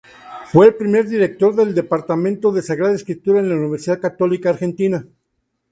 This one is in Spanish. Fue el primer director del Departamento de Sagrada Escritura en la Universidad Católica Argentina.